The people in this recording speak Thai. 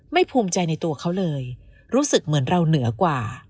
ภูมิใจในตัวเขาเลยรู้สึกเหมือนเราเหนือกว่า